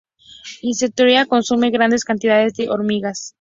Insectívora, consume grandes cantidades de hormigas.